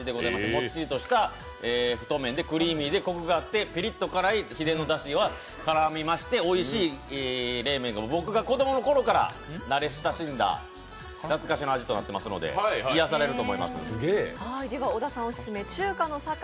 もっちりとした太麺でクリーミーでコクがあってピリッと辛い秘伝のだしが絡みまして、僕が子供のころから慣れ親しんだ懐かしの味となってますので癒やされると思います。